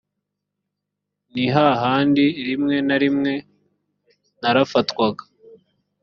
ni ha handi rimwe na rimwe narafatwaga